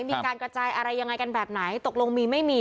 มีการกระจายอะไรยังไงกันแบบไหนตกลงมีไม่มี